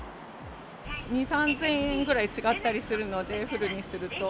２、３０００円ぐらい違ったりするので、フルにすると。